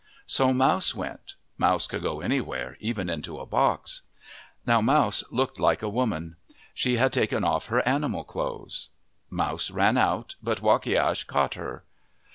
So Mouse went. Mouse could go anywhere, even into a box. Now Mouse looked like a woman ; she had taken off her animal clothes. Mouse ran out, but Wakiash caught her.